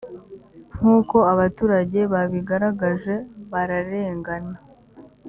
nk’uko abaturage babigaragaje bararengana